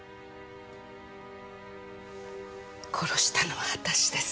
殺したのは私です。